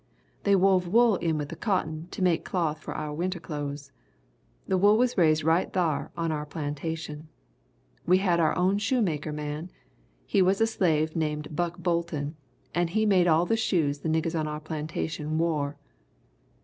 They wove wool in with the cotton to make the cloth for our winter clothes. The wool was raised right thar on our plantation. We had our own shoemaker man he was a slave named Buck Bolton and he made all the shoes the niggers on our plantation wore.